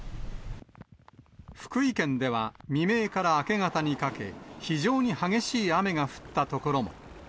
福井県では未明から明け方にかけ、非常に激しい雨が降った所も。